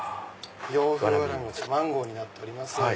洋風わらび餅マンゴーになっております。